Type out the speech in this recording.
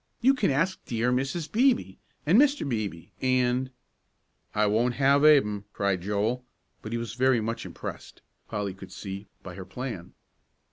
"You can ask dear Mrs. Beebe, and Mr. Beebe, and " "I won't have Ab'm," cried Joel; but he was very much impressed, Polly could see, by her plan.